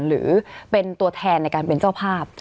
หรือเป็นตัวแทนในการเป็นเจ้าภาพ